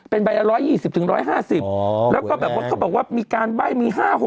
เป็นใบละ๑๒๐๑๕๐แล้วก็แบบว่าเขาบอกว่ามีการใบ้มี๕๖